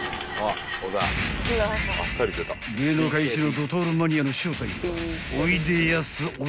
［芸能界一のドトールマニアの正体はおいでやす小田］